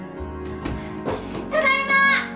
ただいま！